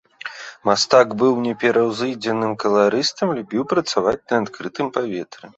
Мастак быў непераўзыдзеным каларыстам, любіў працаваць на адкрытым паветры.